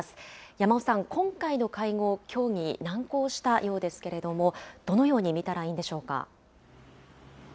山尾さん、今回の会合、協議、難航したようですけれども、どのように見たらいいんでしょうか。